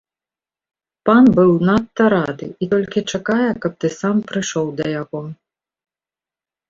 Пан быў надта рады і толькі чакае, каб ты сам прыйшоў да яго.